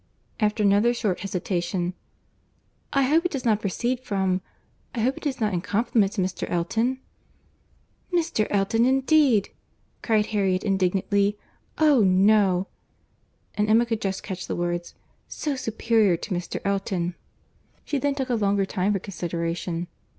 After another short hesitation, "I hope it does not proceed from—I hope it is not in compliment to Mr. Elton?" "Mr. Elton indeed!" cried Harriet indignantly.—"Oh! no"—and Emma could just catch the words, "so superior to Mr. Elton!" She then took a longer time for consideration.